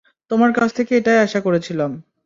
তোমার কাছ থেকে এটাই আশা করেছিলাম।